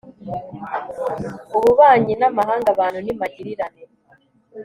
ububanyi n'amahanga abantu ni magirirane